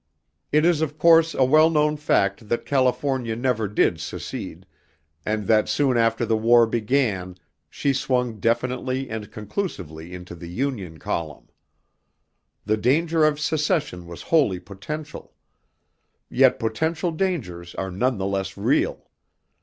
It is of course a well known fact that California never did secede, and that soon after the war began, she swung definitely and conclusively into the Union column. The danger of secession was wholly potential. Yet potential dangers are none the less real.